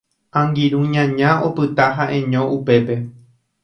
Angirũ ñaña opyta ha'eño upépe